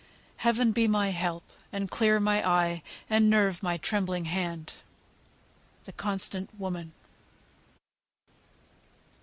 Heaven be my help; And clear my eye, and nerve my trembling hand!" "THE CONSTANT WOMAN."